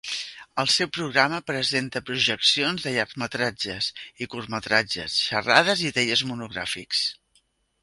El seu programa presenta projeccions de llargmetratges i curtmetratges, xerrades i tallers monogràfics.